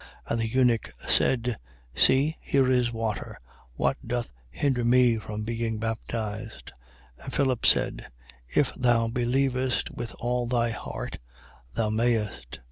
And the eunuch said: See, here is water: What doth hinder me from being baptized? 8:37. And Philip said: If thou believest with all thy heart, thou mayest.